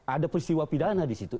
ada peristiwa pidana di situ